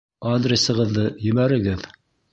Адресығыҙҙы ебәрегеҙ.